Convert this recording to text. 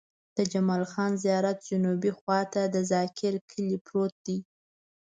د جمال خان زيارت جنوبي خوا ته د ذاکر کلی پروت دی.